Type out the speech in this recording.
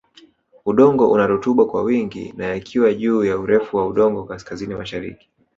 Udongo una Rutuba kwa wingi na yakiwa juu ya urefu wa udongo kaskazini mashariki